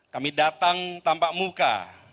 kami datang tanpa muka